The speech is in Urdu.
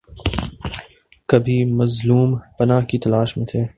کبھی مظلوم پناہ کی تلاش میں تھے۔